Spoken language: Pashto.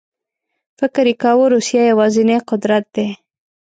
فکر یې کاوه روسیه یوازینی قدرت دی.